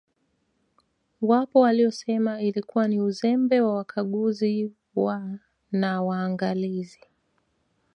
Wapo waliosema ilikuwa ni Uzembe wa Wakaguzi wa na Waangalizi